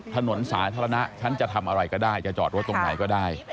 ถนนสาธารณะฉันจะทำอะไรก็ได้จะจอดรถตรงไหนก็ได้